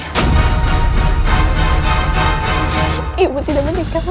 apakah ibu tidak menekan lagi